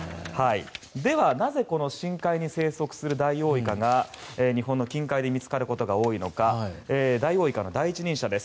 ではなぜ深海に生息するダイオウイカが日本の近海で見つかることが多いのかダイオウイカの第一人者です。